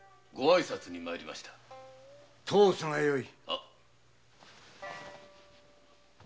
通すがよい。